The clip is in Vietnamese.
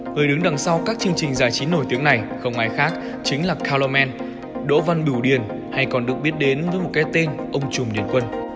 người đứng đằng sau các chương trình giải trí nổi tiếng này không ai khác chính là color man đỗ văn bỉu điền hay còn được biết đến với một cái tên ông trùm điền quân